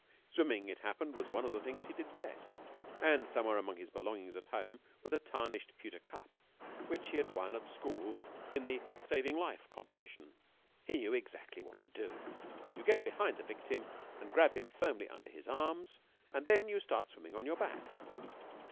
Swimming, it happened, was one of the things he did best, and somewhere among his belongings at home was a tarnished pewter cup which he had won at school in the "Saving Life" competition. He knew exactly what to do. You get behind the victim and grab him firmly under his arms, and then you start swimming on your back.